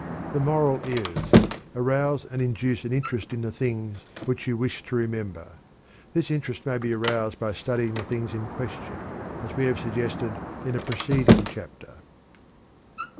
The moral is: Arouse and induce an interest in the things which you wish to remember. This interest may be aroused by studying the things in question, as we have suggested in a preceding chapter.